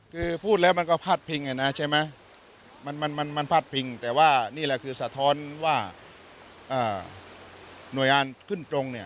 คือพูดแล้วมันก็พาดพิงอ่ะนะใช่ไหมมันพาดพิงแต่ว่านี่แหละคือสะท้อนว่าหน่วยงานขึ้นตรงเนี่ย